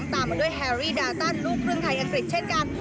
ตามมาด้วยแฮรี่ดาตันลูกครึ่งไทยอังกฤษเช่นกัน